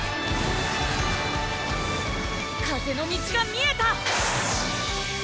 風の道が見えた！